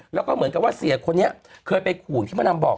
แล้วก็เหมือนกับว่าเสียคนนี้เคยไปขู่อย่างที่มะดำบอก